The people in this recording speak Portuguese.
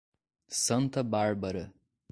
Santa Bárbara